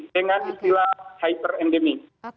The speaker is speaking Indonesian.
dengan istilah hyper endemik